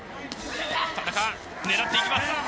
田中狙っていきます。